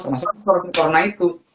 termasuk karena corona itu